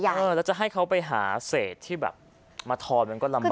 แล้วจะให้เขาไปหาเศษที่แบบมาทอนมันก็ลำบาก